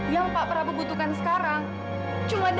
yang pak prabu butuhkan sekarang cuma darah